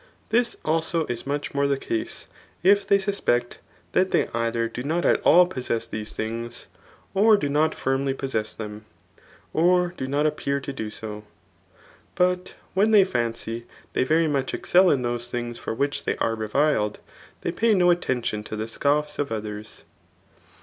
This also is much more the case, if they suspect that they either do not at all pos sess these things, or do not firmly possess them, or do not appear to do so. But when they fancy they very much excel in those things for which they are reviled, they pay no attention to the scoffs of others.